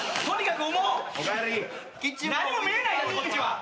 何も見えないこっちは。